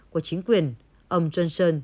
của chính quyền ông johnson